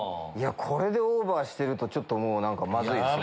これでオーバーしてるともうまずいですね。